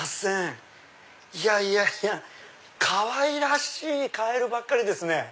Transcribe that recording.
いやいやいやかわいらしいカエルばっかりですね。